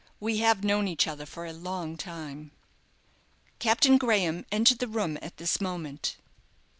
"We have known each other for a long time." Captain Graham entered the room at this moment.